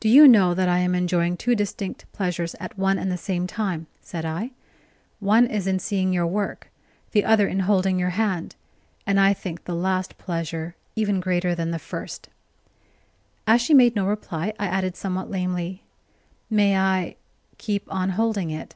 "Do you know that I am enjoying two distinct pleasures at one and the same time?" said I. "One is in seeing your work, the other in holding your hand; and I think the last pleasure even greater than the first." As she made no reply, I added somewhat lamely: "May I keep on holding it?"